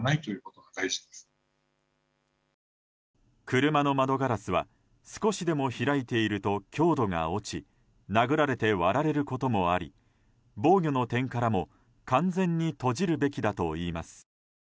車の窓ガラスは少しでも開いていると強度が落ち殴られて割られることもあり防御の点からも完全に閉じるべきだといいます。